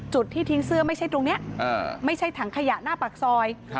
ที่ทิ้งเสื้อไม่ใช่ตรงนี้ไม่ใช่ถังขยะหน้าปากซอย